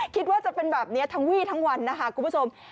คิดว่าจะเป็นแบบนี้ทั้งวี่ทั้งวันนะคะคุณผู้ชม